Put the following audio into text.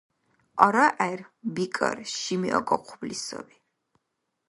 АрагӀер, бикӀар, шими акӀахъубли саби.